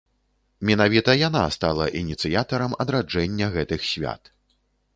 Менавіта яна стала ініцыятарам адраджэння гэтых свят.